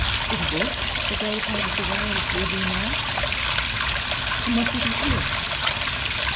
Did he walk the greater part of the way as we do now? And what did he hear?